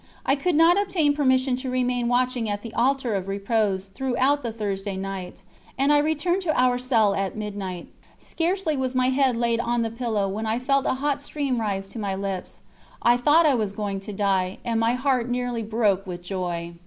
I could not obtain permission to remain watching at the Altar of Repose throughout the Thursday night, and I returned to our cell at midnight. Scarcely was my head laid on the pillow when I felt a hot stream rise to my lips. I thought I was going to die, and my heart nearly broke with joy.